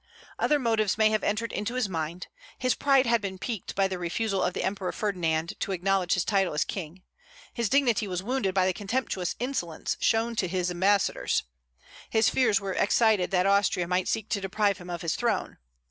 Other motives may have entered into his mind; his pride had been piqued by the refusal of the Emperor Ferdinand to acknowledge his title as King; his dignity was wounded by the contemptuous insolence shown to this ambassadors; his fears were excited that Austria might seek to deprive him of his throne.